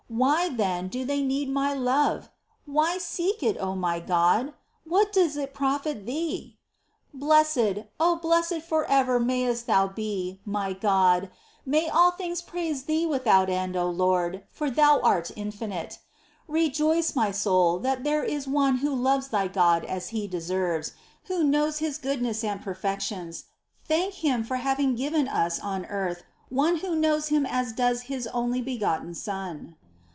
Why, then, do they need my love ? Why seek it, O my God ? What does it profit Thee ? 4. Blessed, oh blessed for ever mayest Thou be, my God ! May all things praise Thee without end, O Lord, for Thou art infinite ! Rejoice, my soul, that there is One Who loves thy God as He deserves. Who knows His goodness and perfections : thank Him for having given us on earth One Who knows Him as does His only be gotten Son.